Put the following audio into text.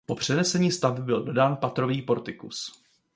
Po přenesení stavby byl dodán patrový portikus.